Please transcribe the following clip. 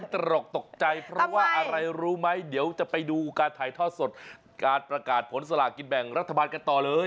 ตรกตกใจเพราะว่าอะไรรู้ไหมเดี๋ยวจะไปดูการถ่ายทอดสดการประกาศผลสลากินแบ่งรัฐบาลกันต่อเลย